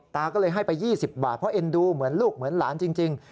ตาก็เลยให้ไป๒๐บาทเพราะเอ็นดูเหมือนลูกเหมือนหลานจริง